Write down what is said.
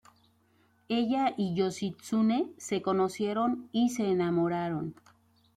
Ella y Yoshitsune se conocieron y se enamoraron.